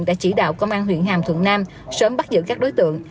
đã chỉ đạo công an huyện hàm thuận nam sớm bắt giữ các đối tượng